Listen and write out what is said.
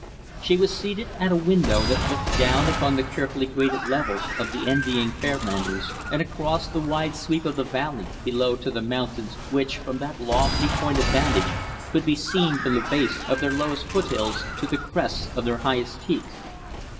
She was seated at a window that looked down upon the carefully graded levels of the envying Fairlanders and across the wide sweep of the valley below to the mountains which, from that lofty point of vantage, could be seen from the base of their lowest foothills to the crests of their highest peaks.